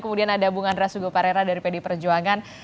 kemudian ada bung andra sugoparera dari pdi perjuangan